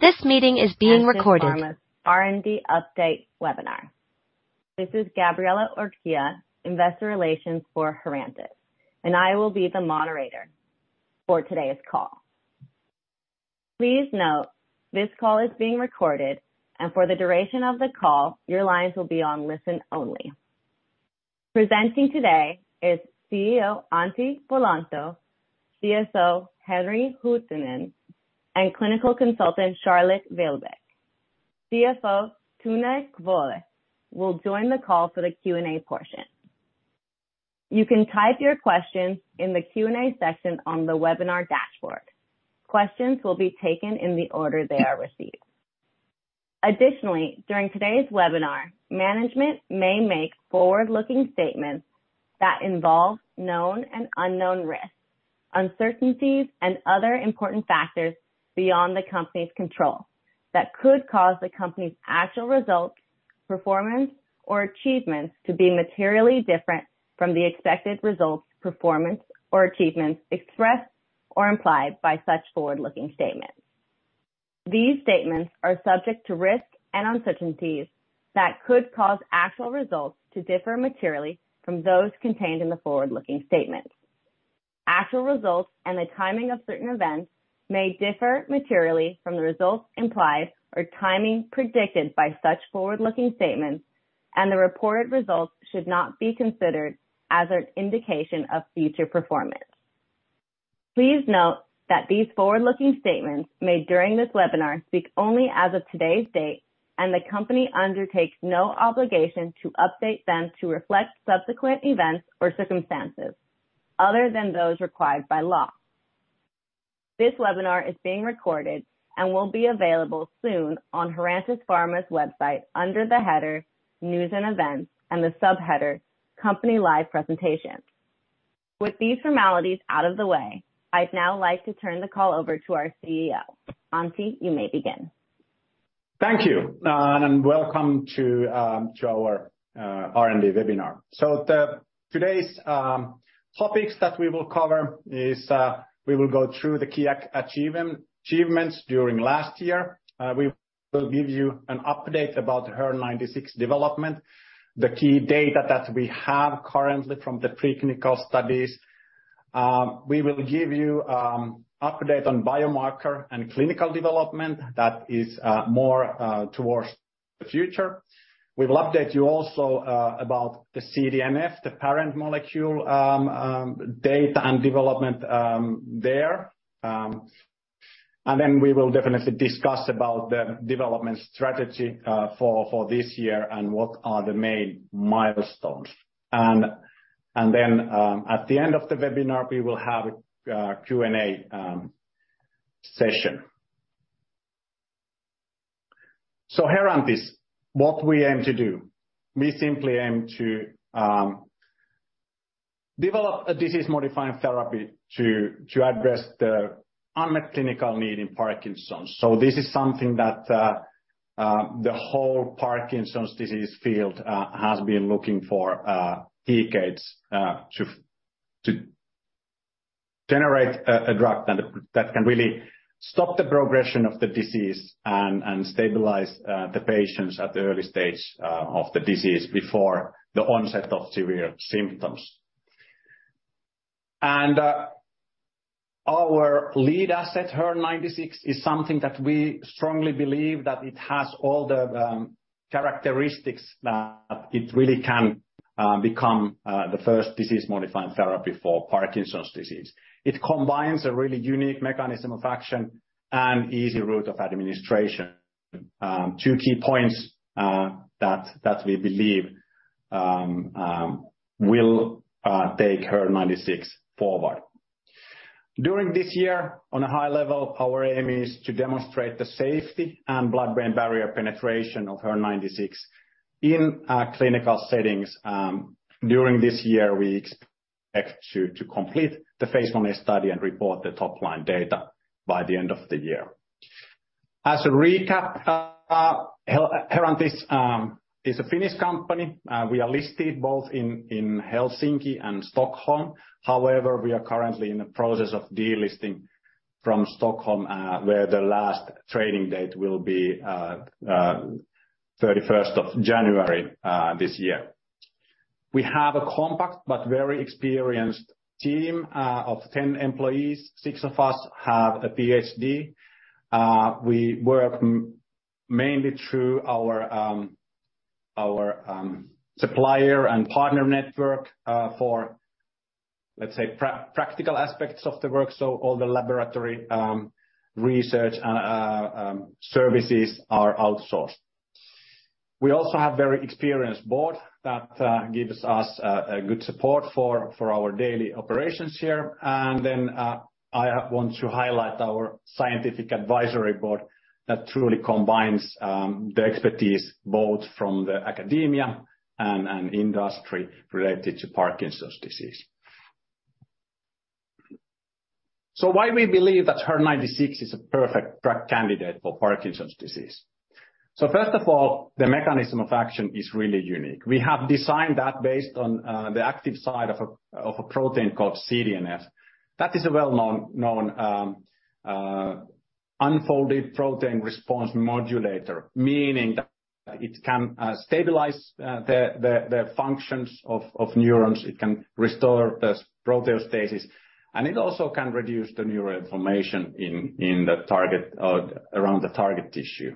This meeting is being recorded. Herantis Pharma's R&D update webinar. This is Gabriela Ortega, investor relations for Herantis, and I will be the moderator for today's call. Please note this call is being recorded, and for the duration of the call, your lines will be on listen only. Presenting today is CEO, Antti Vuolanto, CSO, Henri Huttunen, and clinical consultant, Charlotte Videbæk. CFO, Tone Kvåle will join the call for the Q&A portion. You can type your questions in the Q&A section on the webinar dashboard. Questions will be taken in the order they are received. Additionally, during today's webinar, management may make forward-looking statements that involve known and unknown risks, uncertainties, and other important factors beyond the company's control that could cause the company's actual results, performance, or achievements to be materially different from the expected results, performance, or achievements expressed or implied by such forward-looking statements. These statements are subject to risks and uncertainties that could cause actual results to differ materially from those contained in the forward-looking statements. Actual results and the timing of certain events may differ materially from the results implied or timing predicted by such forward-looking statements, and the reported results should not be considered as an indication of future performance. Please note that these forward-looking statements made during this webinar speak only as of today's date, and the company undertakes no obligation to update them to reflect subsequent events or circumstances other than those required by law. This webinar is being recorded and will be available soon on Herantis Pharma's website under the header News and Events and the subheader Company Live Presentations. With these formalities out of the way, I'd now like to turn the call over to our CEO. Antti, you may begin. Thank you, and welcome to our R&D webinar. The today's topics that we will cover is we will go through the key achievements during last year. We will give you an update about HER-096 development, the key data that we have currently from the preclinical studies. We will give you update on biomarker and clinical development that is more towards the future. We will update you also about the CDNF, the parent molecule, data and development there. Then we will definitely discuss about the development strategy for this year and what are the main milestones. At the end of the webinar, we will have a Q&A session. Herantis, what we aim to do, we simply aim to develop a disease-modifying therapy to address the unmet clinical need in Parkinson's. This is something that the whole Parkinson's disease field has been looking for decades to generate a drug that can really stop the progression of the disease and stabilize the patients at the early stage of the disease before the onset of severe symptoms. Our lead asset, HER-096, is something that we strongly believe that it has all the characteristics that it really can become the first disease-modifying therapy for Parkinson's disease. It combines a really unique mechanism of action and easy route of administration, two key points that we believe will take HER-096 forward. During this year, on a high level, our aim is to demonstrate the safety and blood-brain barrier penetration of HER-096 in clinical settings. During this year, we expect to complete the Phase 1a study and report the top-line data by the end of the year. As a recap, Herantis is a Finnish company. We are listed both in Helsinki and Stockholm. However, we are currently in the process of delisting from Stockholm, where the last trading date will be 31st of January this year. We have a compact but very experienced team of 10 employees. Six of us have a PhD. We work mainly through our supplier and partner network for, let's say, practical aspects of the work. All the laboratory research services are outsourced. We also have very experienced board that gives us a good support for our daily operations here. Then, I want to highlight our scientific advisory board that truly combines the expertise both from the academia and industry related to Parkinson's disease. Why we believe that HER-096 is a perfect drug candidate for Parkinson's disease? First of all, the mechanism of action is really unique. We have designed that based on the active side of a protein called CDNF. That is a well-known unfolded protein response modulator, meaning that it can stabilize the functions of neurons, it can restore the proteostasis, and it also can reduce the neuroinflammation in the target-- around the target tissue.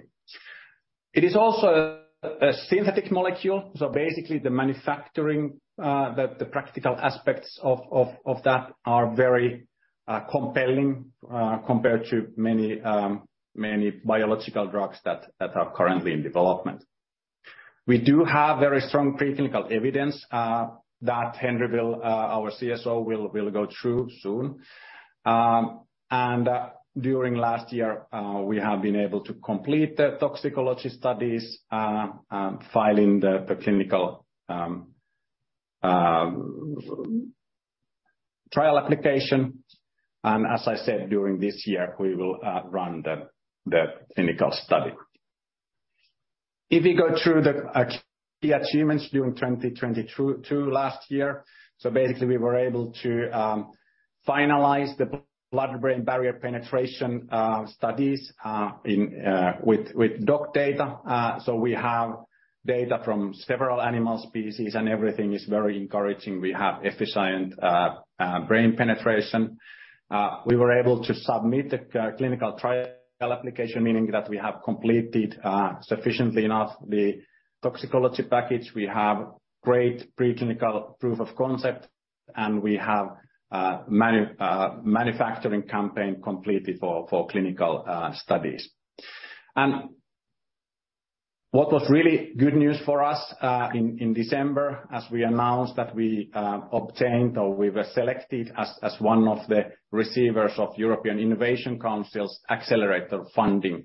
It is also a synthetic molecule, so basically the manufacturing, the practical aspects of that are very compelling compared to many biological drugs that are currently in development. We do have very strong preclinical evidence that Henri, our CSO, will go through soon. During last year, we have been able to complete the toxicology studies, filing the clinical trial application. As I said, during this year, we will run the clinical study. If we go through the key achievements during 2022 last year, we were able to finalize the Blood-brain barrier penetration studies in with dog data. We have data from several animal species, everything is very encouraging. We have efficient brain penetration. We were able to submit the clinical trial application, meaning that we have completed sufficiently enough the toxicology package. We have great preclinical proof of concept, and we have manufacturing campaign completed for clinical studies. What was really good news for us in December, as we announced that we obtained, or we were selected as one of the receivers of European Innovation Council's Accelerator funding.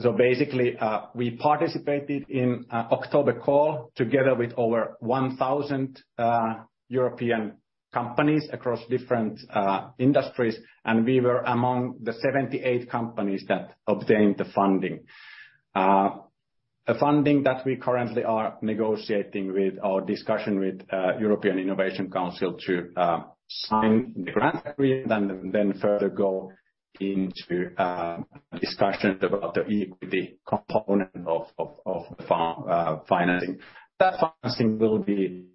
Basically, we participated in a October call together with over 1,000 European companies across different industries, and we were among the 78 companies that obtained the funding. A funding that we currently are negotiating with our discussion with European Innovation Council to sign the grant agreement and then further go into discussions about the equity component of the financing. That financing will be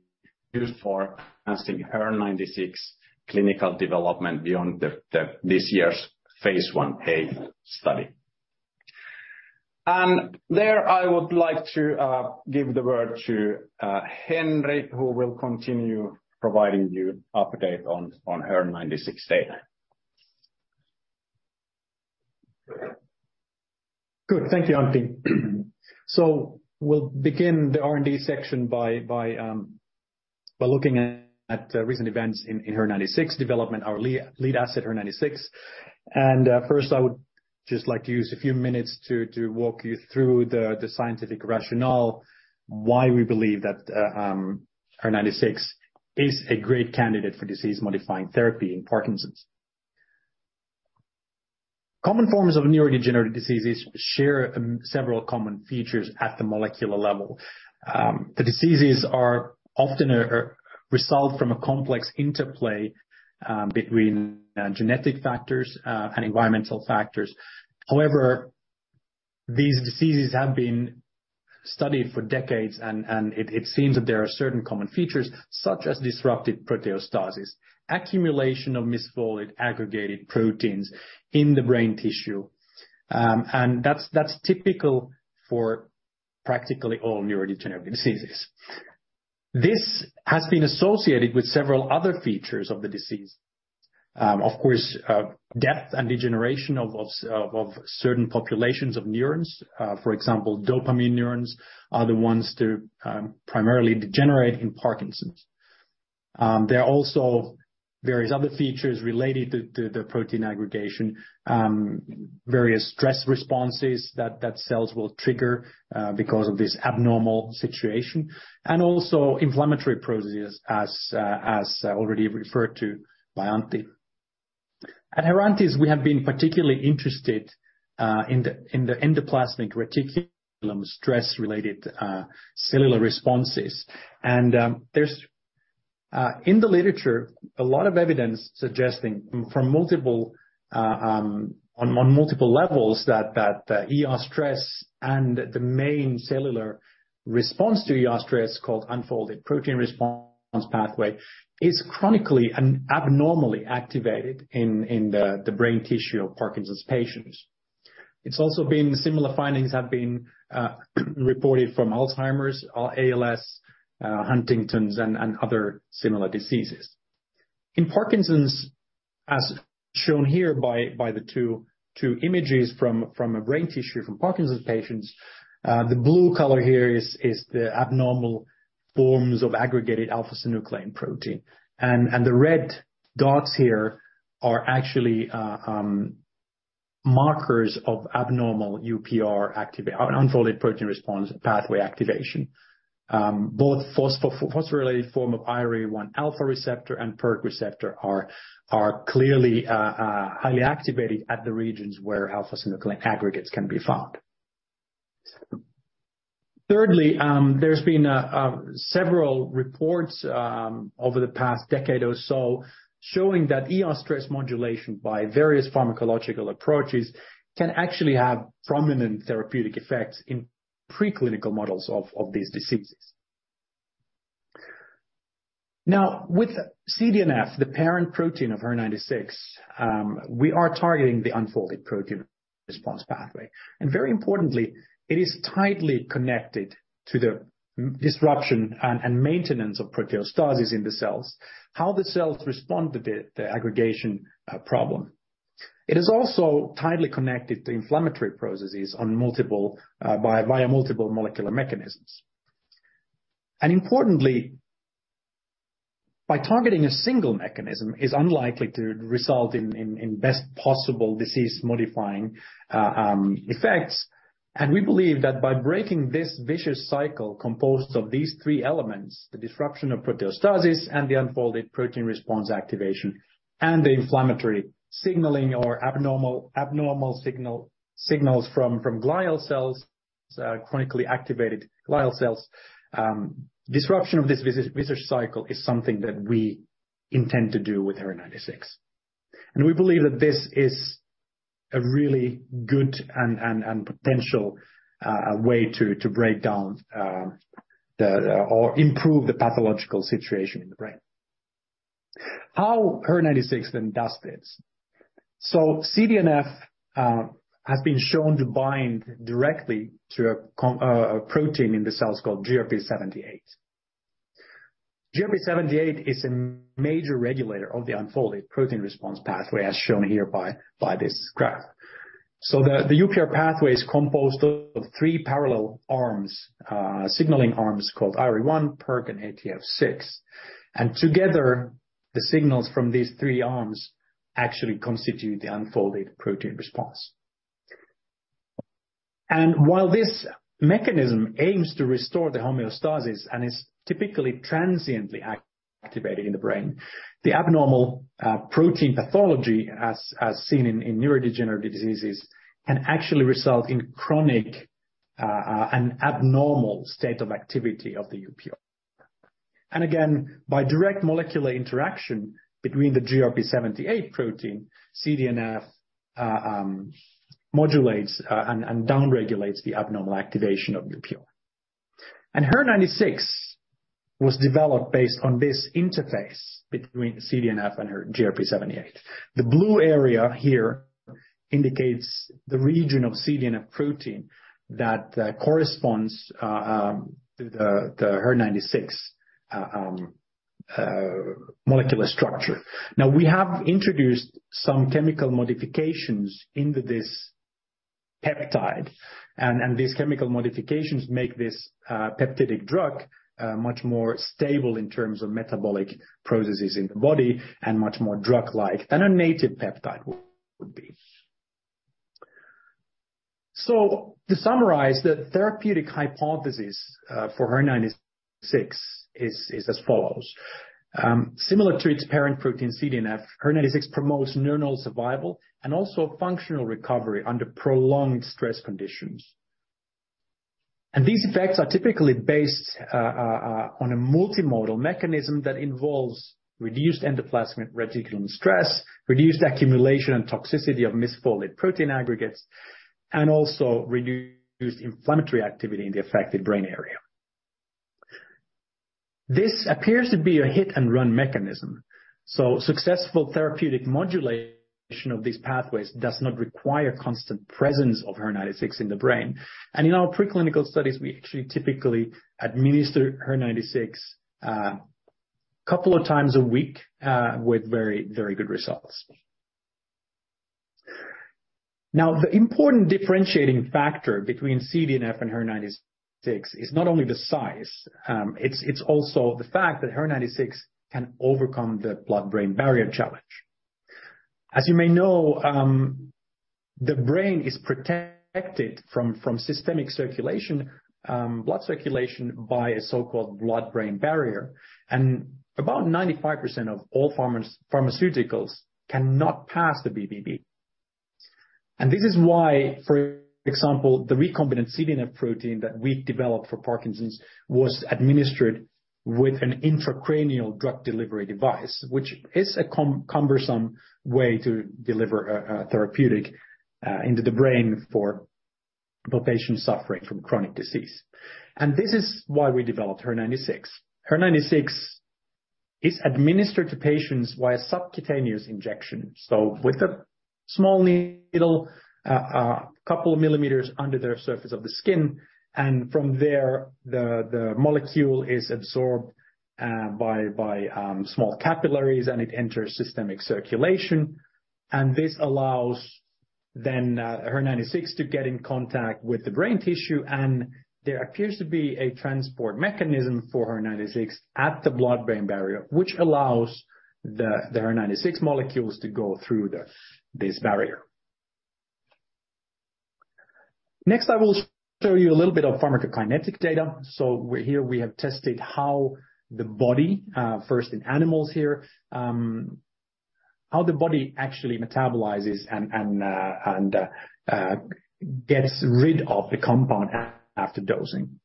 used for advancing HER-096 clinical development beyond this year's phase 1a study. There I would like to give the word to Henri, who will continue providing you update on HER-096 data. Good. Thank you, Antti. We'll begin the R&D section by looking at recent events in HER-096 development, our lead asset, HER-096. First, I would just like to use a few minutes to walk you through the scientific rationale why we believe that HER-096 is a great candidate for disease-modifying therapy in Parkinson's. Common forms of neurodegenerative diseases share several common features at the molecular level. The diseases are often a result from a complex interplay between genetic factors and environmental factors. However, these diseases have been studied for decades, and it seems that there are certain common features, such as disrupted proteostasis, accumulation of misfolded, aggregated proteins in the brain tissue. And that's typical for practically all neurodegenerative diseases. This has been associated with several other features of the disease. Of course, death and degeneration of certain populations of neurons, for example, dopamine neurons are the ones to primarily degenerate in Parkinson's. There are also various other features related to the protein aggregation, various stress responses that cells will trigger because of this abnormal situation, and also inflammatory processes as already referred to by Antti. At Herantis, we have been particularly interested in the endoplasmic reticulum stress-related cellular responses. There's in the literature a lot of evidence suggesting from multiple on multiple levels that the ER stress and the main cellular response to ER stress called Unfolded Protein Response pathway is chronically and abnormally activated in the brain tissue of Parkinson's patients. It's also been similar findings have been reported from Alzheimer's or ALS, Huntington's, and other similar diseases. In Parkinson's, as shown here by the two images from a brain tissue from Parkinson's patients, the blue color here is the abnormal forms of aggregated alpha-synuclein protein. The red dots here are actually markers of abnormal UPR unfolded protein response pathway activation. Both phosphorylated form of IRE1 alpha receptor and PERK receptor are clearly highly activated at the regions where alpha-synuclein aggregates can be found. Thirdly, there's been several reports over the past decade or so showing that ER stress modulation by various pharmacological approaches can actually have prominent therapeutic effects in preclinical models of these diseases. Now, with CDNF, the parent protein of HER-096, we are targeting the unfolded protein response pathway. Very importantly, it is tightly connected to the disruption and maintenance of proteostasis in the cells, how the cells respond to the aggregation problem. It is also tightly connected to inflammatory processes on multiple via multiple molecular mechanisms. Importantly, by targeting a single mechanism is unlikely to result in best possible disease-modifying effects. We believe that by breaking this vicious cycle composed of these three elements, the disruption of proteostasis and the unfolded protein response activation and the inflammatory signaling or abnormal signals from glial cells, chronically activated glial cells. Disruption of this vicious cycle is something that we intend to do with HER-096. We believe that this is a really good and potential way to break down or improve the pathological situation in the brain. HER-096 then does this? CDNF has been shown to bind directly to a protein in the cells called GRP78. GRP78 is a major regulator of the unfolded protein response pathway, as shown here by this graph. The UPR pathway is composed of three parallel arms, signaling arms called IRE1, PERK, and ATF6. Together, the signals from these three arms actually constitute the unfolded protein response. While this mechanism aims to restore the homeostasis and is typically transiently activating the brain, the abnormal protein pathology as seen in neurodegenerative diseases can actually result in chronic and abnormal state of activity of the UPR. Again, by direct molecular interaction between the GRP78 protein, CDNF modulates and down-regulates the abnormal activation of UPR. HER-096 was developed based on this interface between CDNF and GRP78. The blue area here indicates the region of CDNF protein that corresponds to the HER-096 molecular structure. We have introduced some chemical modifications into this peptide, and these chemical modifications make this peptidic drug much more stable in terms of metabolic processes in the body and much more drug-like than a native peptide would be. To summarize, the therapeutic hypothesis for HER-096 is as follows. Similar to its parent protein, CDNF, HER-096 promotes neuronal survival and also functional recovery under prolonged stress conditions. These effects are typically based on a multimodal mechanism that involves reduced endoplasmic reticulum stress, reduced accumulation and toxicity of misfolded protein aggregates, and also reduced inflammatory activity in the affected brain area. This appears to be a hit-and-run mechanism, so successful therapeutic modulation of these pathways does not require constant presence of HER-096 in the brain. In our preclinical studies, we actually typically administer HER-096 a couple of times a week with very good results. Now, the important differentiating factor between CDNF and HER-096 is not only the size, it's also the fact that HER-096 can overcome the blood-brain barrier challenge. As you may know, the brain is protected from systemic circulation, blood circulation by a so-called blood-brain barrier. About 95% of all pharmaceuticals cannot pass the BBB. This is why, for example, the recombinant CDNF protein that we've developed for Parkinson's was administered with an intracranial drug delivery device, which is a cumbersome way to deliver a therapeutic into the brain for the patient suffering from chronic disease. This is why we developed HER-096. HER-096 is administered to patients via subcutaneous injection. With a small needle, couple of millimeters under their surface of the skin. From there, the molecule is absorbed by small capillaries, and it enters systemic circulation. This allows then HER-096 to get in contact with the brain tissue, and there appears to be a transport mechanism for HER-096 at the blood-brain barrier, which allows the HER-096 molecules to go through this barrier. Next, I will show you a little bit of pharmacokinetic data. We're here, we have tested how the body, first in animals here, how the body actually metabolizes and gets rid of the compound after dosing.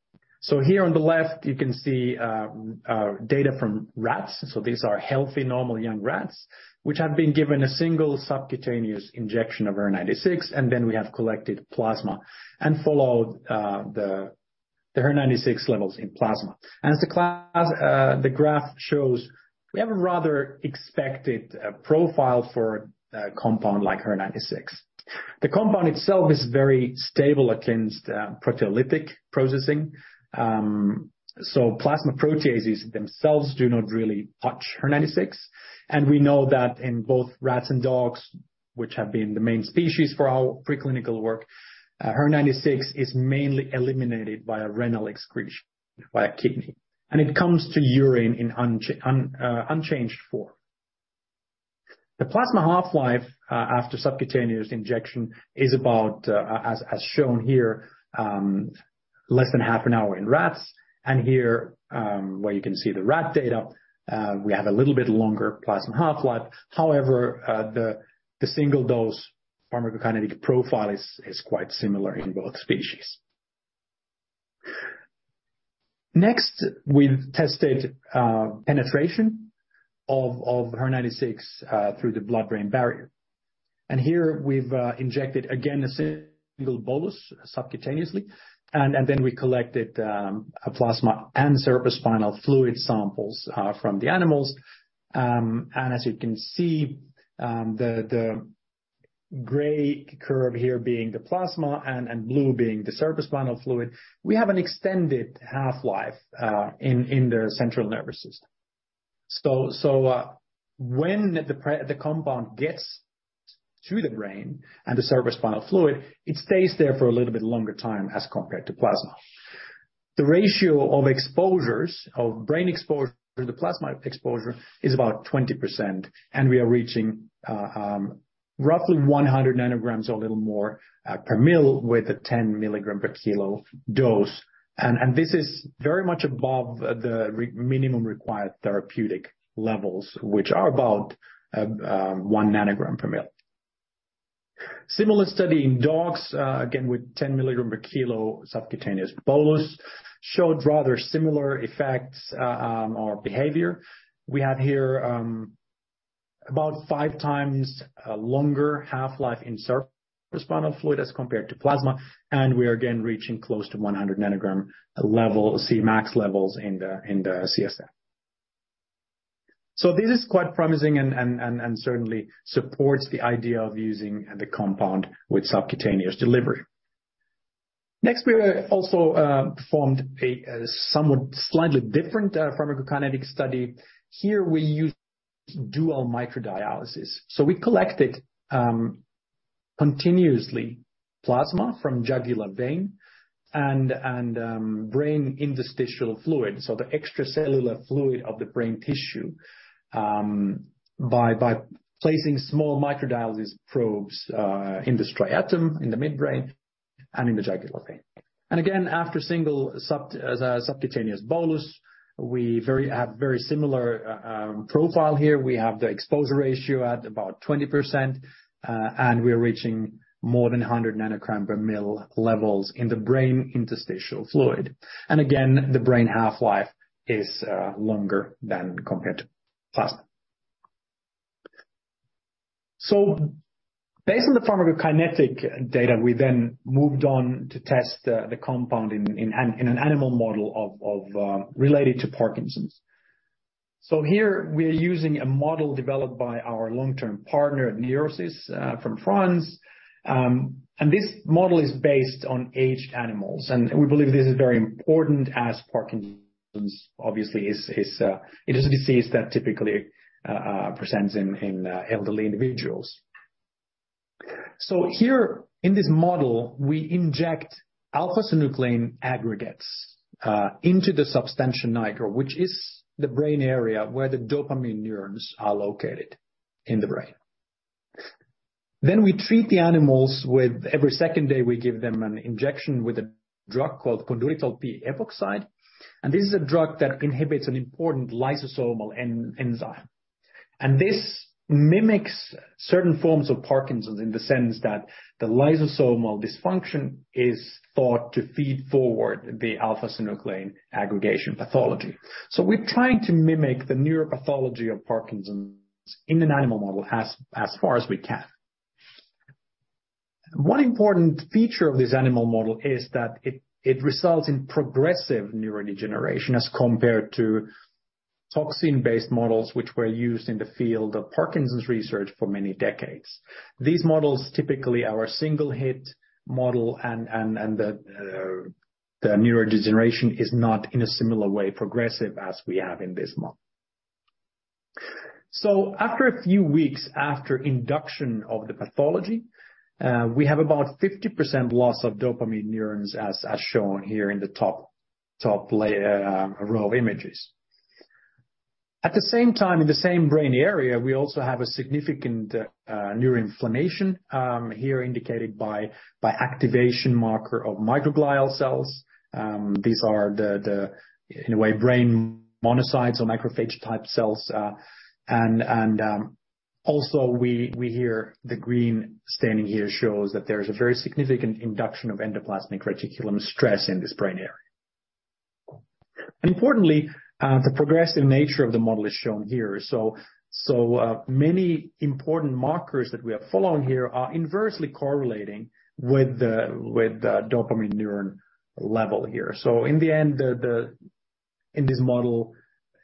Here on the left you can see data from rats. These are healthy, normal young rats, which have been given a single subcutaneous injection of HER-096, and then we have collected plasma and followed the HER-096 levels in plasma. As the graph shows, we have a rather expected profile for a compound like HER-096. The compound itself is very stable against proteolytic processing. Plasma proteases themselves do not really touch HER-096. We know that in both rats and dogs, which have been the main species for our preclinical work, HER-096 is mainly eliminated by renal excretion, by a kidney. It comes to urine in unchanged form. The plasma half-life after subcutaneous injection is about, as shown here, less than half an hour in rats. Here, where you can see the rat data, we have a little bit longer plasma half-life. However, the single dose pharmacokinetic profile is quite similar in both species. Next, we've tested penetration of HER-096 through the blood-brain barrier. Here we've injected again a single bolus subcutaneously, and then we collected plasma and cerebrospinal fluid samples from the animals. As you can see, the gray curve here being the plasma and blue being the cerebrospinal fluid, we have an extended half-life in the central nervous system. When the compound gets to the brain and the cerebrospinal fluid, it stays there for a little bit longer time as compared to plasma. The ratio of exposures, of brain exposure to the plasma exposure is about 20%, we are reaching roughly 100 nanograms or a little more per ml with a 10 milligram per kilo dose. This is very much above the minimum required therapeutic levels, which are about 1 nanogram per ml. Similar study in dogs, again, with 10 milligram per kilo subcutaneous bolus, showed rather similar effects or behavior. We have here, about 5 times longer half-life in cerebrospinal fluid as compared to plasma, and we are again reaching close to 100 nanogram level, Cmax levels in the CSF. This is quite promising and certainly supports the idea of using the compound with subcutaneous delivery. Next, we also performed a somewhat slightly different pharmacokinetic study. Here we used dual microdialysis. We collected continuously plasma from jugular vein and brain interstitial fluid, so the extracellular fluid of the brain tissue, by placing small microdialysis probes in the striatum, in the midbrain and in the jugular vein. Again, after single subcutaneous bolus, we have very similar profile here. We have the exposure ratio at about 20%, and we are reaching more than 100 nanogram per ml levels in the brain interstitial fluid. Again, the brain half-life is longer than compared to plasma. Based on the pharmacokinetic data, we then moved on to test the compound in an animal model related to Parkinson's. Here we're using a model developed by our long-term partner at Neuro-Sys from France. And this model is based on aged animals, and we believe this is very important as Parkinson's obviously it is a disease that typically presents in elderly individuals. Here in this model, we inject alpha-synuclein aggregates into the substantia nigra, which is the brain area where the dopamine neurons are located in the brain. We treat the animals with every second day, we give them an injection with a drug called Conduritol B epoxide, and this is a drug that inhibits an important lysosomal enzyme. This mimics certain forms of Parkinson's in the sense that the lysosomal dysfunction is thought to feed forward the alpha-synuclein aggregation pathology. We're trying to mimic the neuropathology of Parkinson's in an animal model as far as we can. One important feature of this animal model is that it results in progressive neurodegeneration as compared to toxin-based models which were used in the field of Parkinson's research for many decades. These models typically are a single hit model and the neurodegeneration is not in a similar way progressive as we have in this model. After a few weeks after induction of the pathology, we have about 50% loss of dopamine neurons as shown here in the top lay row of images. At the same time, in the same brain area, we also have a significant neuroinflammation, here indicated by activation marker of microglial cells. These are the, in a way, brain monocytes or macrophage type cells. And also we hear the green standing here shows that there is a very significant induction of Endoplasmic Reticulum stress in this brain area. Importantly, the progressive nature of the model is shown here. Many important markers that we are following here are inversely correlating with the dopamine neuron level here. In the end, the... in this model,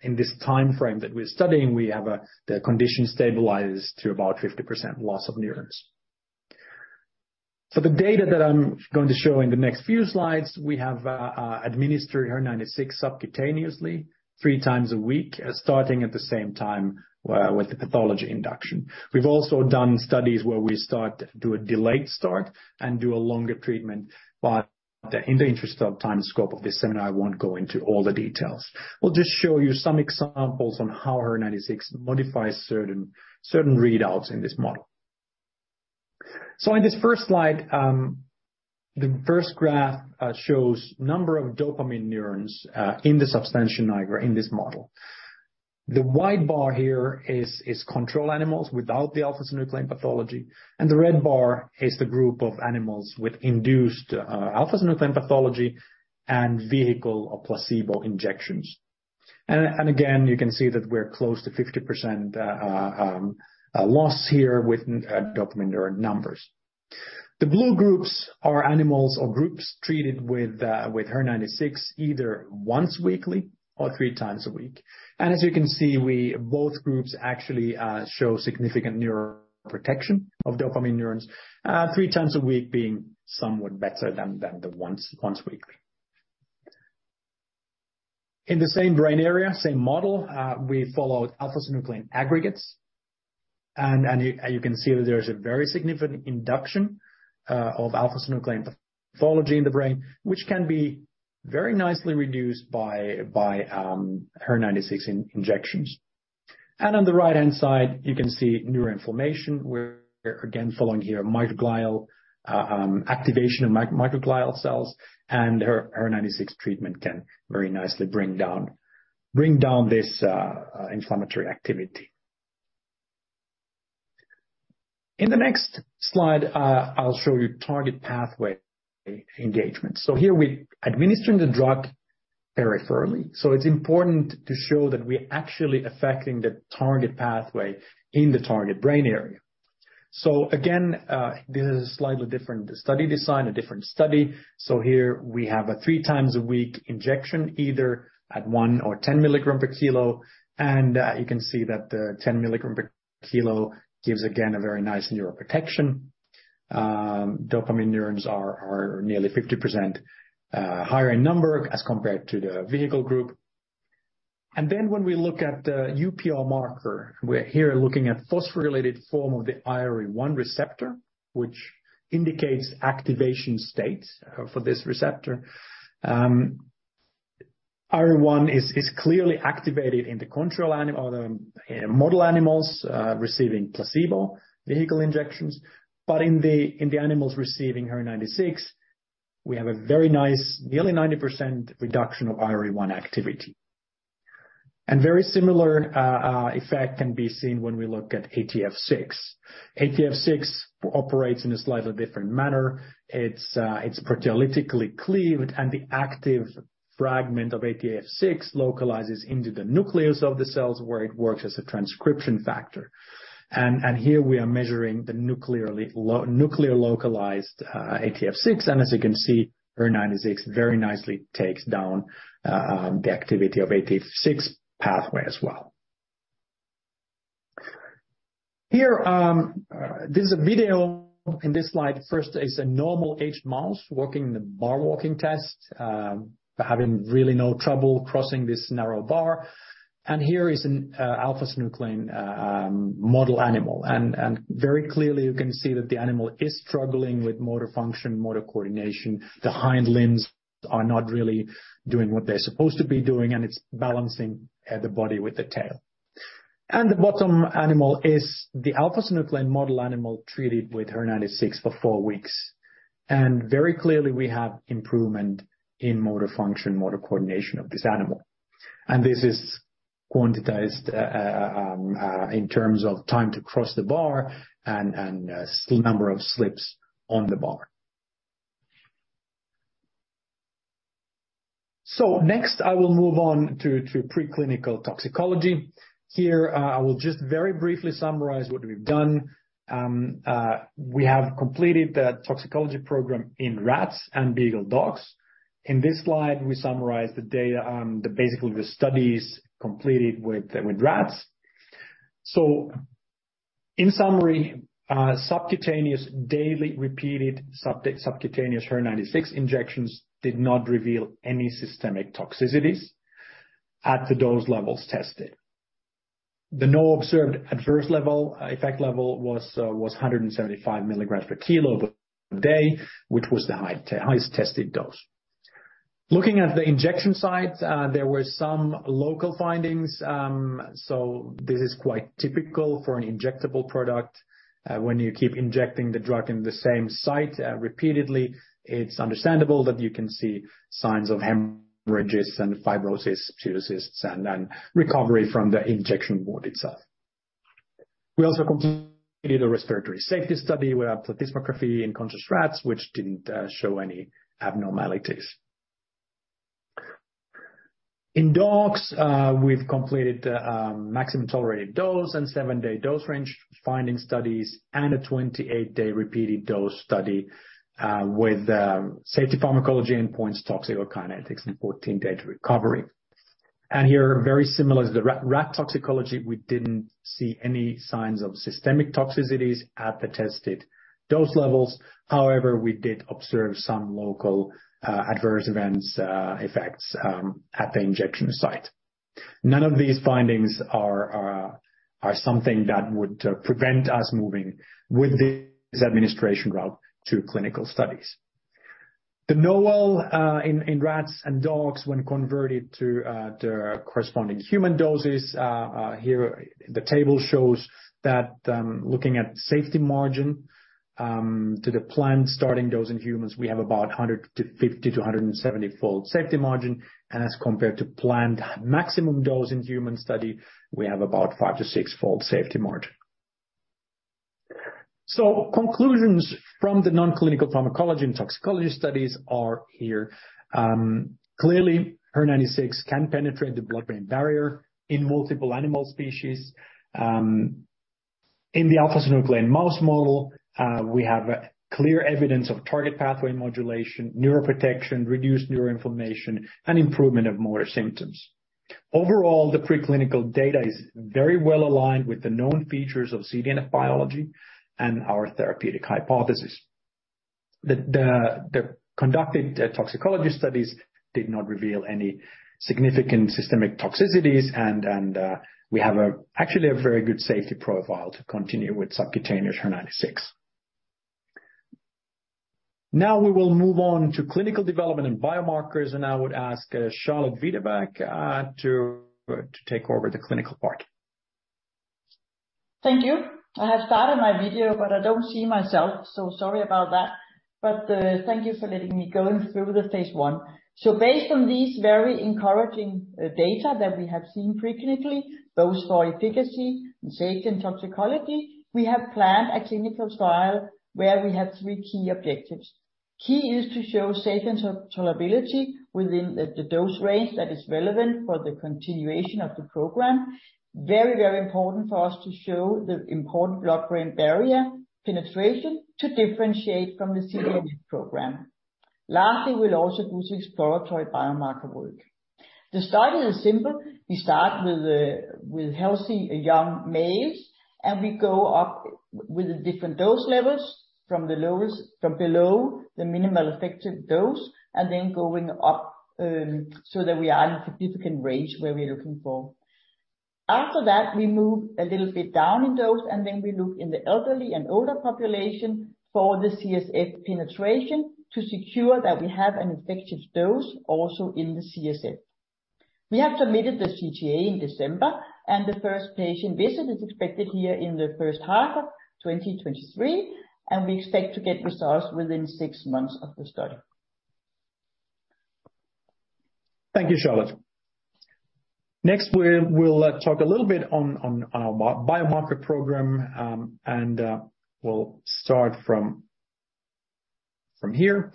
in this time frame that we're studying, we have the condition stabilized to about 50% loss of neurons. The data that I'm going to show in the next few slides, we have administered HER-096 subcutaneously three times a week, starting at the same time with the pathology induction. We've also done studies where we do a delayed start and do a longer treatment, but in the interest of time and scope of this seminar, I won't go into all the details. We'll just show you some examples on how HER-096 modifies certain readouts in this model. In this first slide, the first graph shows number of dopamine neurons in the Substantia nigra in this model. The wide bar here is control animals without the alpha-synuclein pathology. The red bar is the group of animals with induced alpha-synuclein pathology and vehicle or placebo injections. Again, you can see that we're close to 50% loss here with dopamine neuron numbers. The blue groups are animals or groups treated with HER-096, either once weekly or three times a week. As you can see, both groups actually show significant neuroprotection of dopamine neurons, three times a week being somewhat better than the once weekly. In the same brain area, same model, we followed alpha-synuclein aggregates, and you can see that there's a very significant induction of alpha-synuclein pathology in the brain, which can be very nicely reduced by HER-096 injections. On the right-hand side, you can see neuroinflammation, we're again following here microglial cell activation, HER-096 treatment can very nicely bring down this inflammatory activity. In the next slide, I'll show you target pathway engagement. Here we're administering the drug peripherally, it's important to show that we're actually affecting the target pathway in the target brain area. Again, this is a slightly different study design, a different study. Here we have a three times a week injection, either at 1 or 10 mg per kilo, you can see that the 10 mg per kilo gives again a very nice neuroprotection. Dopamine neurons are nearly 50% higher in number as compared to the vehicle group. When we look at the UPR marker, we're here looking at phosphorylated form of the IRE1 receptor, which indicates activation states for this receptor. IRE1 is clearly activated in the model animals receiving placebo vehicle injections. In the animals receiving HER-096, we have a very nice nearly 90% reduction of IRE1 activity. Very similar effect can be seen when we look at ATF6. ATF6 operates in a slightly different manner. It's proteolytically cleaved, and the active fragment of ATF6 localizes into the nucleus of the cells where it works as a transcription factor. Here we are measuring the nuclear localized ATF6, and as you can see, HER-096 very nicely takes down the activity of ATF6 pathway as well. Here, this video in this slide first is a normal aged mouse walking the bar walking test, having really no trouble crossing this narrow bar. Here is an alpha-synuclein model animal. Very clearly you can see that the animal is struggling with motor function, motor coordination. The hind limbs are not really doing what they're supposed to be doing, and it's balancing the body with the tail. The bottom animal is the alpha-synuclein model animal treated with HER-096 for four weeks. Very clearly we have improvement in motor function, motor coordination of this animal. This is quantized in terms of time to cross the bar and still number of slips on the bar. Next, I will move on to preclinical toxicology. Here, I will just very briefly summarize what we've done. We have completed the toxicology program in rats and beagle dogs. In this slide, we summarize the data on the basically the studies completed with rats. In summary, subcutaneous daily repeated subcutaneous HER-096 injections did not reveal any systemic toxicities at the dose levels tested. The no observed adverse effect level was 175 milligrams per kilo of day, which was the highest tested dose. Looking at the injection site, there were some local findings, so this is quite typical for an injectable product. When you keep injecting the drug in the same site, repeatedly, it's understandable that you can see signs of hemorrhages and fibrosis, scleroses, and recovery from the injection wound itself. We also completed a respiratory safety study with a plethysmography in conscious rats, which didn't show any abnormalities. In dogs, we've completed maximum tolerated dose and 7-day dose range finding studies, and a 28-day repeated dose study with safety pharmacology, endpoints toxicokinetics, and 14-day recovery. Here, very similar to the rat toxicology, we didn't see any signs of systemic toxicities at the tested dose levels. However, we did observe some local adverse events, effects at the injection site. None of these findings are something that would prevent us moving with this administration route to clinical studies. The NOAEL, in rats and dogs when converted to corresponding human doses, here the table shows that, looking at safety margin, to the planned starting dose in humans, we have about 150 to 170-fold safety margin. As compared to planned maximum dose in human study, we have about five to six-fold safety margin. Conclusions from the non-clinical pharmacology and toxicology studies are here. Clearly, HER-096 can penetrate the Blood-brain barrier in multiple animal species. In the alpha-synuclein mouse model, we have clear evidence of target pathway modulation, neuroprotection, reduced neuroinflammation, and improvement of motor symptoms. Overall, the preclinical data is very well aligned with the known features of CDNF biology and our therapeutic hypothesis. The conducted toxicology studies did not reveal any significant systemic toxicities and we have a actually a very good safety profile to continue with subcutaneous HER-096. We will move on to clinical development and biomarkers, I would ask Charlotte Videbæk to take over the clinical part. Thank you. I have started my video, but I don't see myself, so sorry about that. Thank you for letting me go through the phase 1a. Based on these very encouraging data that we have seen preclinically, both for efficacy and safety and toxicology, we have planned a clinical trial where we have three key objectives. Key is to show safety and tolerability within the dose range that is relevant for the continuation of the program. Very important for us to show the important blood-brain barrier penetration to differentiate from the CDNF program. Lastly, we'll also do some exploratory biomarker work. The study is simple. We start with healthy young males, and we go up with the different dose levels from the lowest... from below the minimal effective dose, and then going up, so that we are in a significant range where we're looking for. After that, we move a little bit down in dose, and then we look in the elderly and older population for the CSF penetration to secure that we have an effective dose also in the CSF. We have submitted the CTA in December, and the first patient visit is expected here in the first half of 2023, and we expect to get results within six months of the study. Thank you, Charlotte Videbæk. Next, we'll talk a little bit on our biomarker program, and we'll start from here.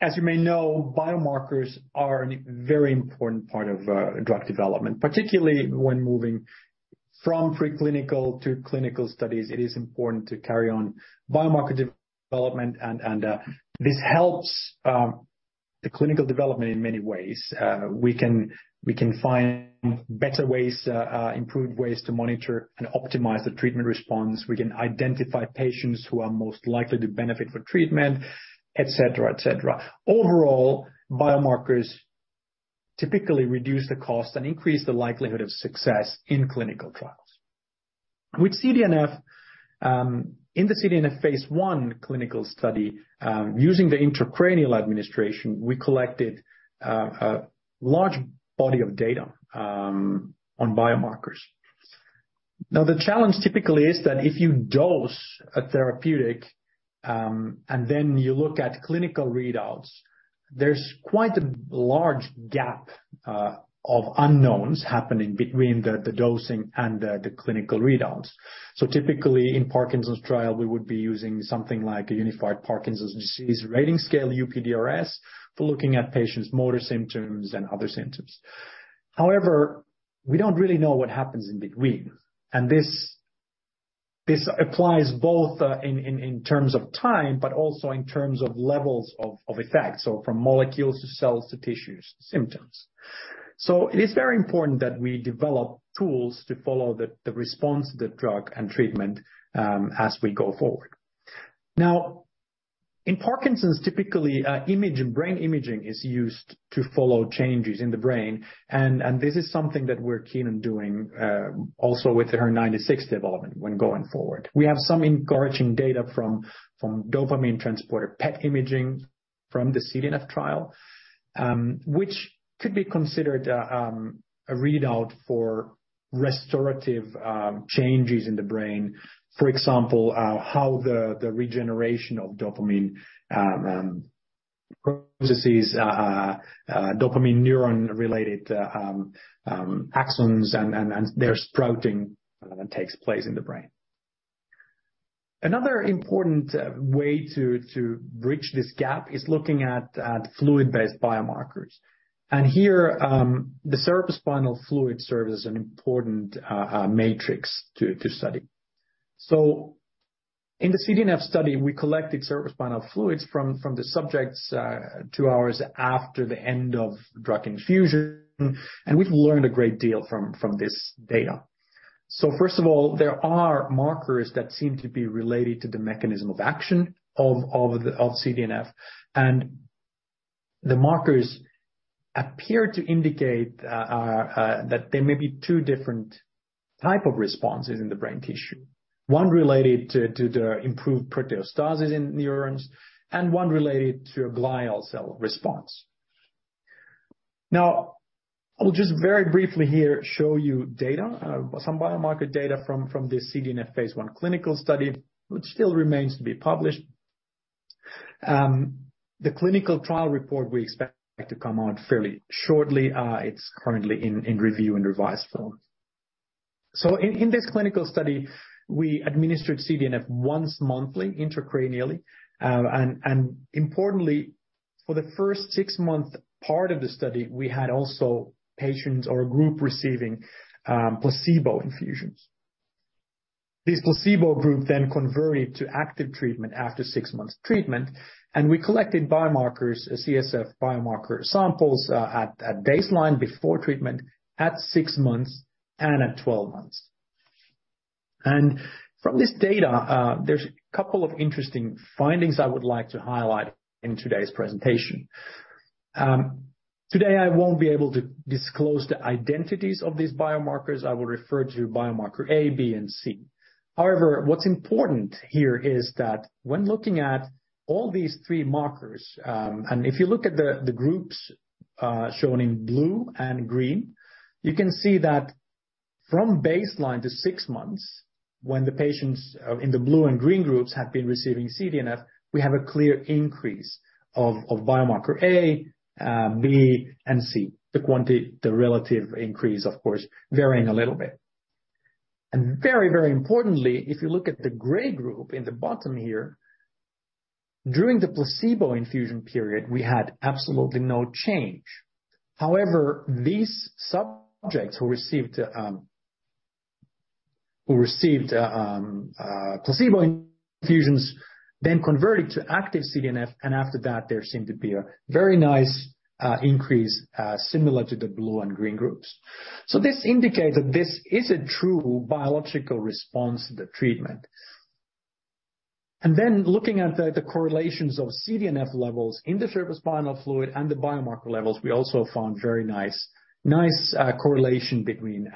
As you may know, biomarkers are an very important part of drug development, particularly when moving from preclinical to clinical studies, it is important to carry on biomarker development and this helps the clinical development in many ways. We can find better ways, improved ways to monitor and optimize the treatment response. We can identify patients who are most likely to benefit from treatment, et cetera, et cetera. Overall, biomarkers typically reduce the cost and increase the likelihood of success in clinical trials. With CDNF, in the CDNF Phase 1 clinical study, using the intracranial administration, we collected a large body of data on biomarkers. The challenge typically is that if you dose a therapeutic, and then you look at clinical readouts, there's quite a large gap of unknowns happening between the dosing and the clinical readouts. Typically in Parkinson's trial, we would be using something like a Unified Parkinson's Disease Rating Scale, UPDRS, for looking at patients' motor symptoms and other symptoms. However, we don't really know what happens in between. This applies both in terms of time, but also in terms of levels of effect. From molecules to cells to tissues, symptoms. It is very important that we develop tools to follow the response to the drug and treatment as we go forward. In Parkinson's, typically, image and brain imaging is used to follow changes in the brain, and this is something that we're keen on doing also with the HER-096 development when going forward. We have some encouraging data from dopamine transporter PET imaging from the CDNF trial, which could be considered a readout for restorative changes in the brain, for example, how the regeneration of dopamine processes dopamine neuron-related axons and their sprouting that takes place in the brain. Another important way to bridge this gap is looking at fluid-based biomarkers. Here, the cerebrospinal fluid serves as an important matrix to study. In the CDNF study, we collected cerebrospinal fluids from the subjects, two hours after the end of drug infusion, and we've learned a great deal from this data. First of all, there are markers that seem to be related to the mechanism of action of CDNF. The markers appear to indicate that there may be two different type of responses in the brain tissue. One related to the improved proteostasis in neurons, and one related to a glial cell response. I'll just very briefly here show you data, some biomarker data from the CDNF Phase one clinical study, which still remains to be published. The clinical trial report we expect to come out fairly shortly. It's currently in review in revised form. In this clinical study, we administered CDNF once monthly intracranially. Importantly, for the first six-month part of the study, we had also patients or a group receiving placebo infusions. This placebo group converted to active treatment after six months treatment. We collected biomarkers, CSF biomarker samples at baseline before treatment at six months and at 12 months. From this data, there's a couple of interesting findings I would like to highlight in today's presentation. Today, I won't be able to disclose the identities of these biomarkers. I will refer to biomarker A, B, and C. However, what's important here is that when looking at all these three markers, and if you look at the groups shown in blue and green, you can see that from baseline to six months, when the patients in the blue and green groups have been receiving CDNF, we have a clear increase of biomarker A, B, and C. The relative increase, of course, varying a little bit. Very, very importantly, if you look at the gray group in the bottom here, during the placebo infusion period, we had absolutely no change. However, these subjects who received placebo infusions then converted to active CDNF, and after that, there seemed to be a very nice increase similar to the blue and green groups. This indicates that this is a true biological response to the treatment. Looking at the correlations of CDNF levels in the cerebrospinal fluid and the biomarker levels, we also found very nice correlation between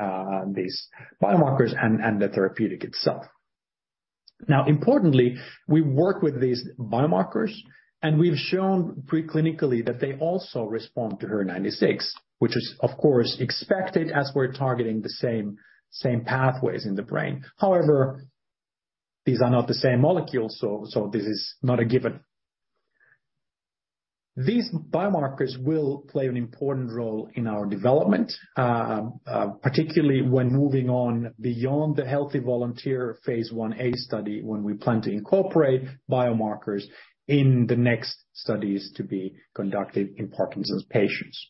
these biomarkers and the therapeutic itself. Importantly, we work with these biomarkers, and we've shown pre-clinically that they also respond to HER-096, which is of course expected as we're targeting the same pathways in the brain. These are not the same molecules, this is not a given. These biomarkers will play an important role in our development, particularly when moving on beyond the healthy volunteer phase 1a study, when we plan to incorporate biomarkers in the next studies to be conducted in Parkinson's patients.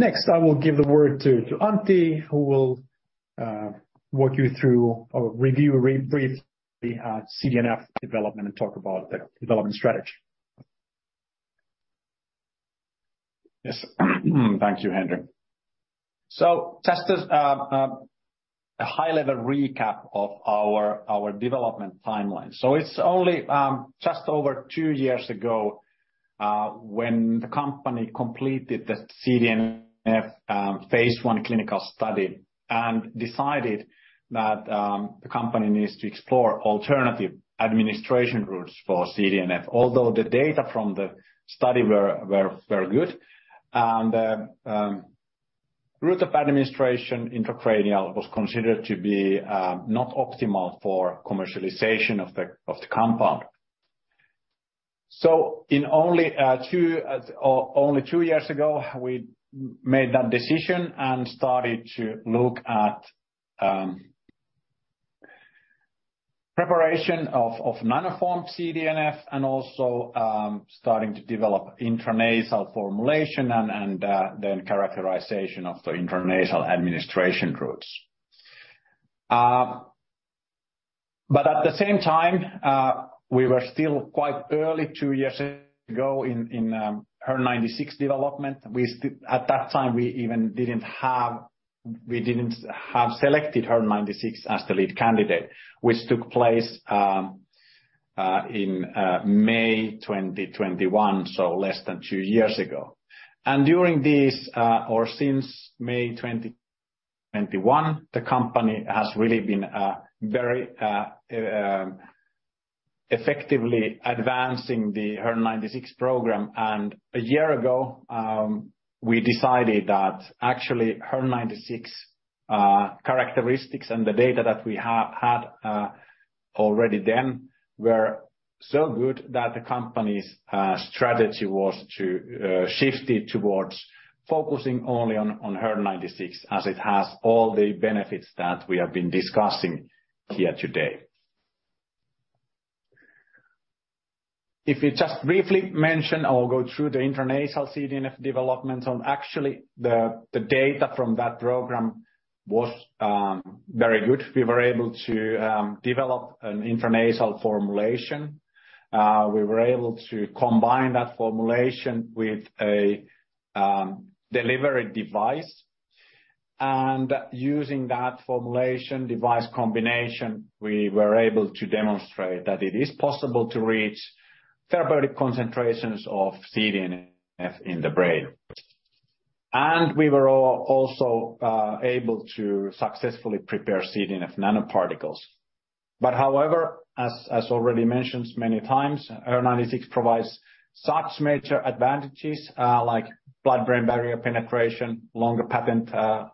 I will give the word to Antti, who will walk you through or review or re-brief the CDNF development and talk about the development strategy. Yes. Thank you, Henri. Just as a high-level recap of our development timeline. It's only just over two years ago when the company completed the CDNF phase one clinical study and decided that the company needs to explore alternative administration routes for CDNF. Although the data from the study were good, and the route of administration intracranial was considered to be not optimal for commercialization of the compound. In only two years ago, we made that decision and started to look at preparation of nano-form CDNF and also starting to develop intranasal formulation and then characterization of the intranasal administration routes. At the same time, we were still quite early two years ago in HER-096 development. We still... At that time, we didn't have selected HER-096 as the lead candidate, which took place May 2021, so less than two years ago. During this, or since May 2021, the company has really been very effectively advancing the HER-096 program. one year ago, we decided that actually HER-096 characteristics and the data that we have had already then were so good that the company's strategy was to shift it towards focusing only on HER-096 as it has all the benefits that we have been discussing here today. If you just briefly mention or go through the intranasal CDNF development on actually the data from that program was very good. We were able to develop an intranasal formulation. We were able to combine that formulation with a delivery device. Using that formulation device combination, we were able to demonstrate that it is possible to reach therapeutic concentrations of CDNF in the brain. We were also able to successfully prepare CDNF nanoparticles. However, as already mentioned many times, HER-096 provides such major advantages like blood-brain barrier penetration, longer patent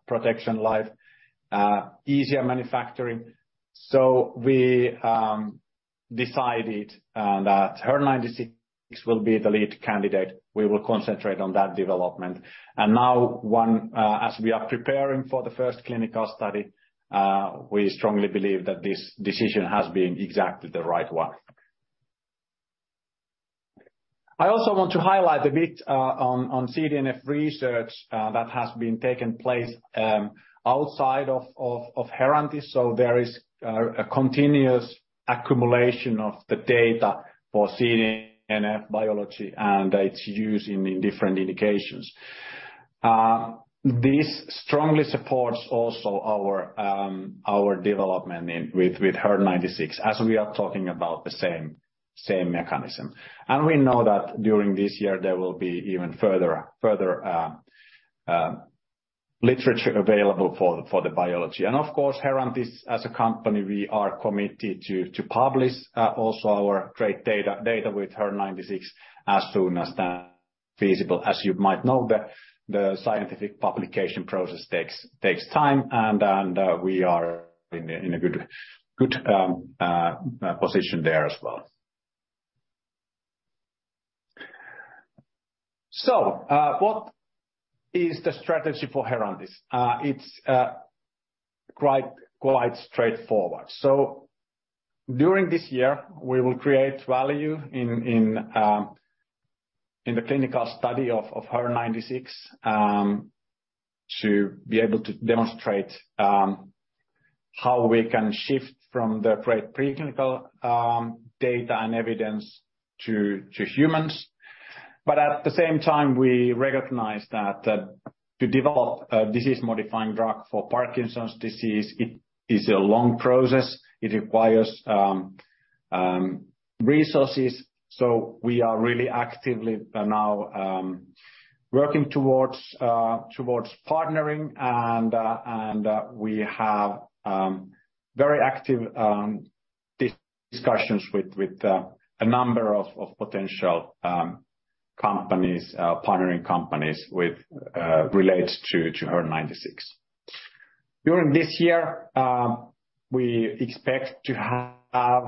protection life, easier manufacturing. We decided that HER-096 will be the lead candidate. We will concentrate on that development. Now as we are preparing for the first clinical study, we strongly believe that this decision has been exactly the right one. I also want to highlight a bit on CDNF research that has been taken place outside of Herantis. There is a continuous accumulation of the data for CDNF biology, and it's used in different indications. This strongly supports also our development with HER-096, as we are talking about the same mechanism. We know that during this year there will be even further literature available for the biology. Of course, Herantis as a company, we are committed to publish also our great data with HER-096 as soon as the feasible. You might know, the scientific publication process takes time, and we are in a good position there as well. What is the strategy for Herantis? It's quite straightforward. During this year, we will create value in the clinical study of HER-096 to be able to demonstrate how we can shift from the great preclinical data and evidence to humans. At the same time, we recognize that to develop a disease-modifying drug for Parkinson's disease, it is a long process. It requires resources. We are really actively now working towards partnering. We have very active discussions with a number of potential companies, partnering companies with relates to HER-096. During this year, we expect to have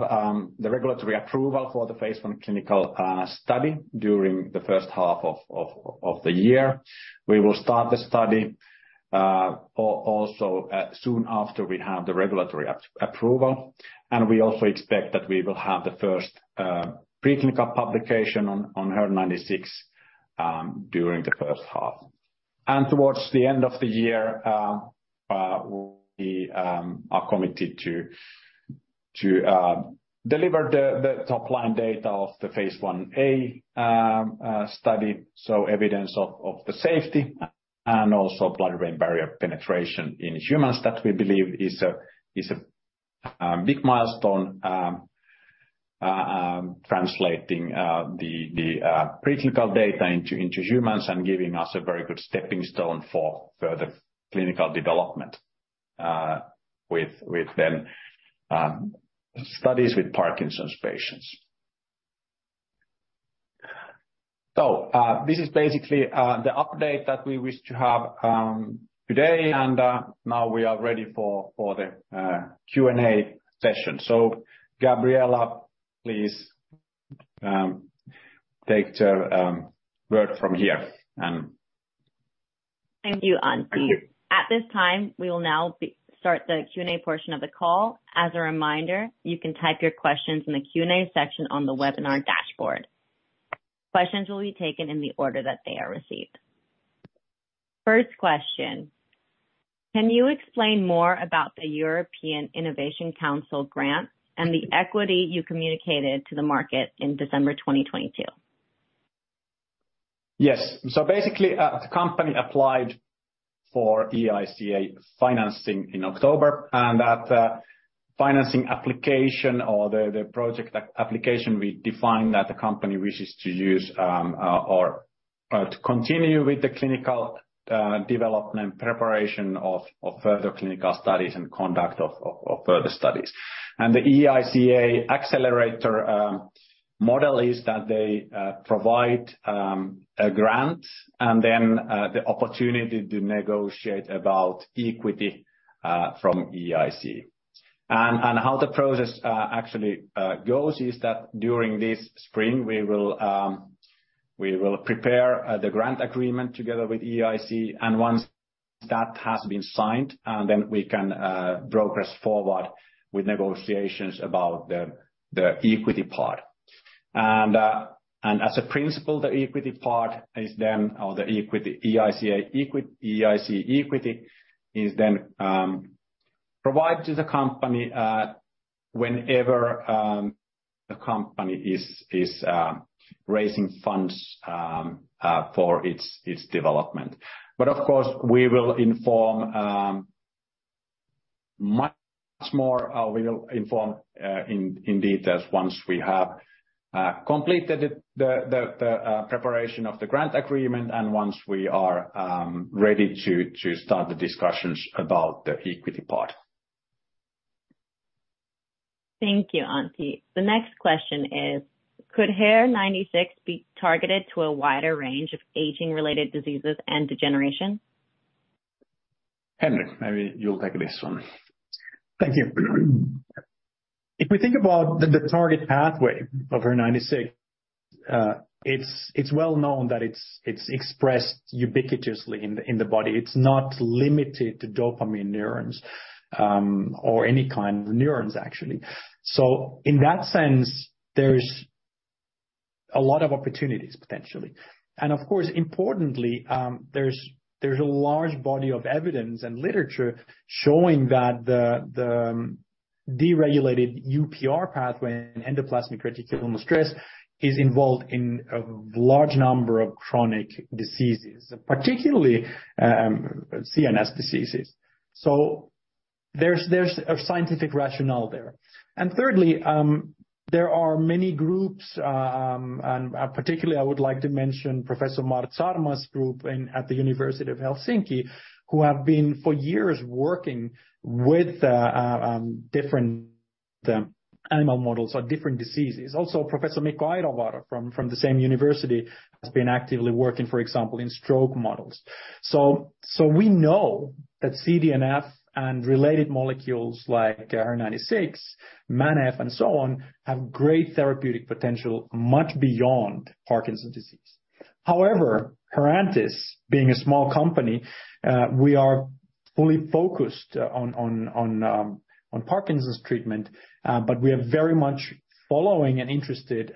the regulatory approval for the phase 1 clinical study during the first half of the year. We will start the study, also, soon after we have the regulatory approval, and we also expect that we will have the first preclinical publication on HER-096 during the first half. Towards the end of the year, we are committed to deliver the top line data of the phase 1a study. Evidence of the safety and also blood-brain barrier penetration in humans that we believe is a big milestone, translating the preclinical data into humans and giving us a very good stepping stone for further clinical development with then studies with Parkinson's patients. This is basically the update that we wish to have today, and now we are ready for the Q&A session. Gabriela, please, take the word from here. Thank you, Antti. At this time, we will now start the Q&A portion of the call. As a reminder, you can type your questions in the Q&A section on the webinar dashboard. Questions will be taken in the order that they are received. First question: Can you explain more about the European Innovation Council grant and the equity you communicated to the market in December 2022? Yes. Basically, the company applied for EIC Accelerator financing in October. That financing application or the project application, we define that the company wishes to continue with the clinical development preparation of further clinical studies and conduct of further studies. The EIC Accelerator model is that they provide a grant and then the opportunity to negotiate about equity from EIC. How the process actually goes is that during this spring, we will prepare the grant agreement together with EIC. Once that has been signed, we can progress forward with negotiations about the equity part. As a principle, the equity part is then or the equity, EIC equity is then provided to the company whenever the company is raising funds for its development. Of course, we will inform much more, we'll inform in detail once we have completed the preparation of the grant agreement and once we are ready to start the discussions about the equity part. Thank you, Antti. The next question is could HER-096 be targeted to a wider range of aging-related diseases and degeneration? Henri, maybe you'll take this one. Thank you. If we think about the target pathway of HER-096, it's well known that it's expressed ubiquitously in the, in the body. It's not limited to dopamine neurons, or any kind of neurons actually. In that sense, there's a lot of opportunities potentially. Of course, importantly, there's a large body of evidence and literature showing that the deregulated UPR pathway and endoplasmic reticulum stress is involved in a large number of chronic diseases, particularly, CNS diseases. There's, there's a scientific rationale there. Thirdly, there are many groups, and particularly I would like to mention Professor Mart Saarma's group at the University of Helsinki, who have been for years working with, different, animal models or different diseases. Also, Professor Mikko Airavaara from the same university has been actively working for example, in stroke models. We know that CDNF and related molecules like HER-096, MANF and so on, have great therapeutic potential much beyond Parkinson's disease. Herantis being a small company, we are fully focused on Parkinson's treatment, but we are very much following and interested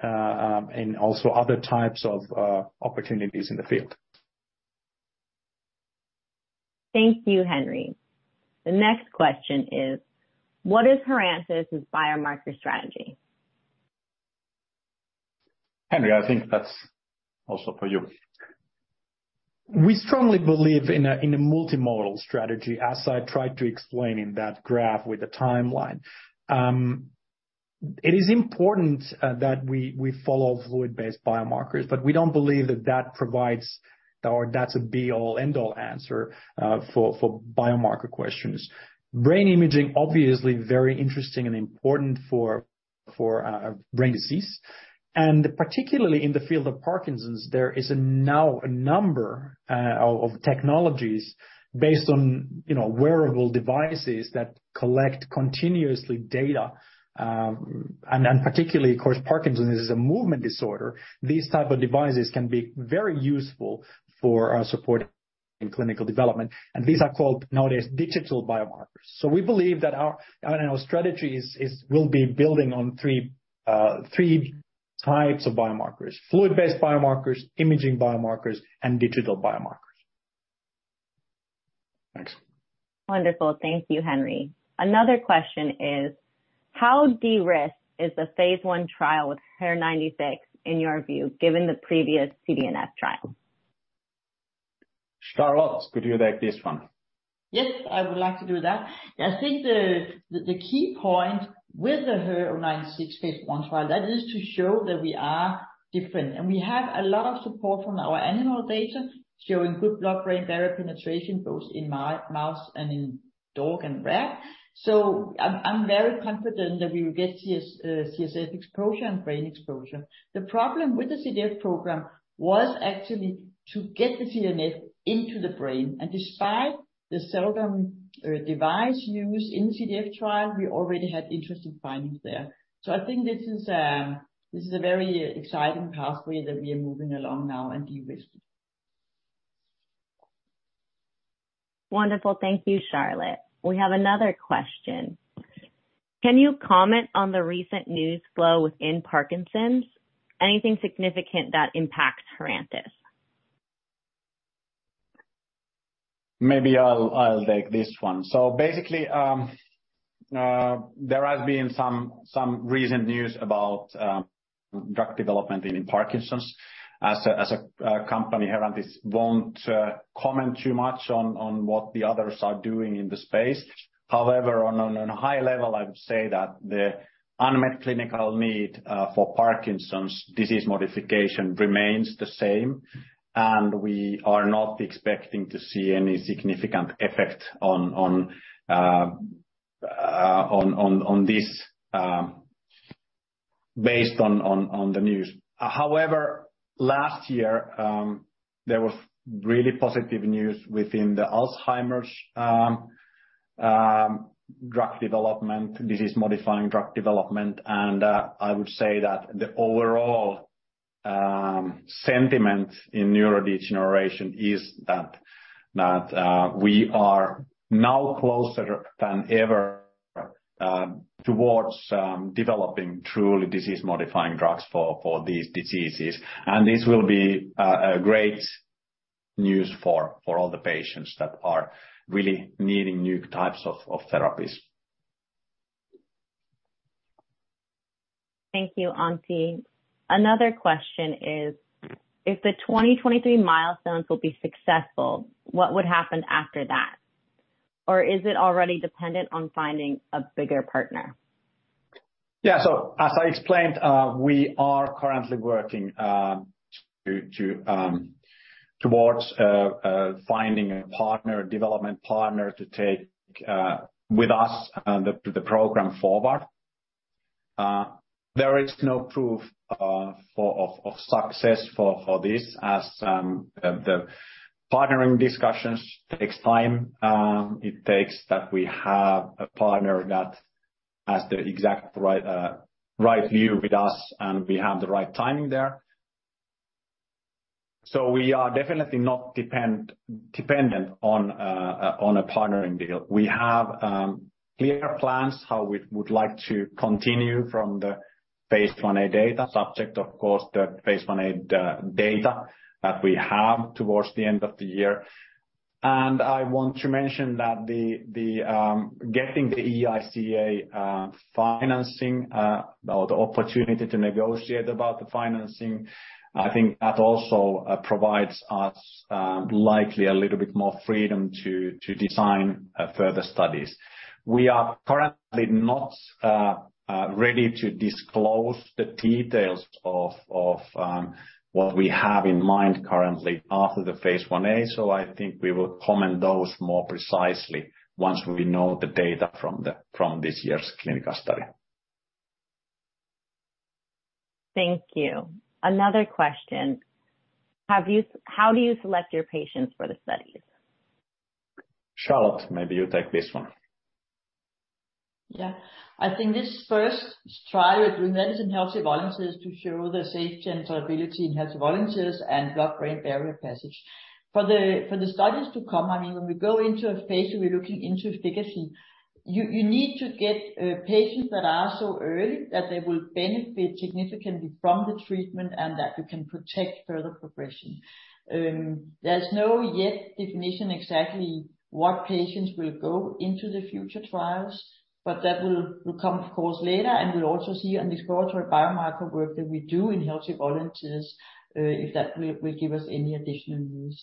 in also other types of opportunities in the field. Thank you, Henri. The next question is what is Herantis' biomarker strategy? Henri, I think that's also for you. We strongly believe in a multimodal strategy, as I tried to explain in that graph with the timeline. It is important that we follow fluid-based biomarkers, but we don't believe that that provides or that's a be all, end all answer for biomarker questions. Brain imaging obviously very interesting and important for brain disease. Particularly in the field of Parkinson's, there is now a number of technologies based on, you know, wearable devices that collect continuously data, and particularly, of course, Parkinson's is a movement disorder. These type of devices can be very useful for support in clinical development, and these are called nowadays digital biomarkers. We believe that our strategy is we'll be building on three types of biomarkers: fluid-based biomarkers, imaging biomarkers, and digital biomarkers. Thanks. Wonderful. Thank you, Henri. Another question is how de-risked is the phase 1 trial with HER-096, in your view, given the previous CDNF trial? Charlotte, could you take this one? Yes, I would like to do that. I think the key point with the HER-096 phase 1 trial, that is to show that we are different. We have a lot of support from our animal data, showing good blood-brain barrier penetration, both in mouse and in dog and rat. I'm very confident that we will get CSF exposure and brain exposure. The problem with the CDNF program was actually to get the CDNF into the brain. Despite the Cell-Gide device used in CDNF trial, we already had interesting findings there. I think this is a very exciting pathway that we are moving along now and de-risking. Wonderful. Thank you, Charlotte. We have another question. Can you comment on the recent news flow within Parkinson's? Anything significant that impacts Herantis? Maybe I'll take this one. Basically, there has been some recent news about drug development in Parkinson's. As a company, Herantis won't comment too much on what the others are doing in the space. However, on a high level, I would say that the unmet clinical need for Parkinson's disease modification remains the same, and we are not expecting to see any significant effect on this, based on the news. However, last year, there was really positive news within the Alzheimer's drug development, disease-modifying drug development. I would say that the overall sentiment in neurodegeneration is that we are now closer than ever towards developing truly disease-modifying drugs for these diseases. This will be a great news for all the patients that are really needing new types of therapies. Thank you, Antti. Another question is, if the 2023 milestones will be successful, what would happen after that? Is it already dependent on finding a bigger partner? As I explained, we are currently working towards finding a partner, development partner to take with us and the program forward. There is no proof of success for this as the partnering discussions takes time. It takes that we have a partner that has the exact right view with us, and we have the right timing there. We are definitely not dependent on a partnering deal. We have clear plans how we would like to continue from the phase 1a data subject, of course, the phase 1a data that we have towards the end of the year. I want to mention that the getting the EIC financing or the opportunity to negotiate about the financing, I think that also provides us likely a little bit more freedom to design further studies. We are currently not ready to disclose the details of what we have in mind currently after the Phase 1a, so I think we will comment those more precisely once we know the data from this year's clinical study. Thank you. Another question: how do you select your patients for the studies? Charlotte, maybe you take this one. I think this first trial remains in healthy volunteers to show the safety and tolerability in healthy volunteers and Blood-brain barrier passage. For the studies to come, I mean, when we go into a patient, we're looking into the key thing. You need to get patients that are so early that they will benefit significantly from the treatment and that you can protect further progression. There's no yet definition exactly what patients will go into the future trials, but that will come, of course, later. We'll also see on exploratory biomarker work that we do in healthy volunteers, if that will give us any additional news.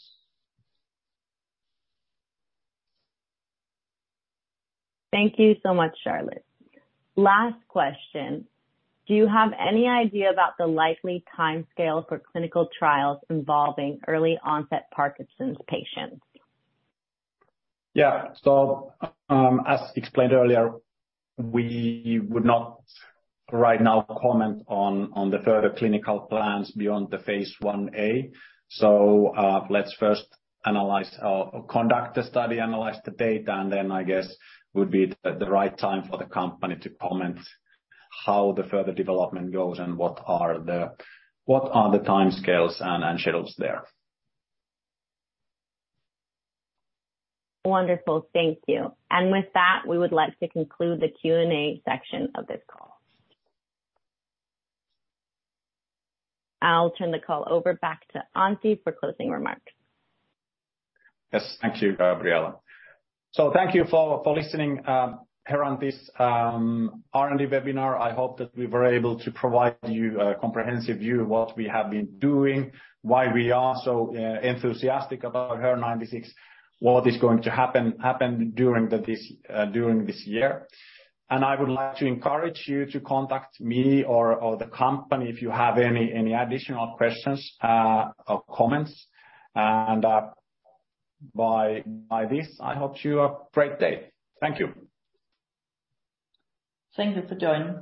Thank you so much, Charlotte. Last question: Do you have any idea about the likely timescale for clinical trials involving early onset Parkinson's patients? Yeah. As explained earlier, we would not right now comment on the further clinical plans beyond the Phase 1a. Let's first analyze or conduct the study, analyze the data, and then I guess would be the right time for the company to comment how the further development goes and what are the timescales and schedules there. Wonderful. Thank you. With that, we would like to conclude the Q&A section of this call. I'll turn the call over back to Antti for closing remarks. Yes. Thank you, Gabriela. Thank you for listening, Herantis R&D webinar. I hope that we were able to provide you a comprehensive view of what we have been doing, why we are so enthusiastic about HER-096, what is going to happen during this year. I would like to encourage you to contact me or the company if you have any additional questions or comments. By this, I hope you a great day. Thank you. Thank you for joining.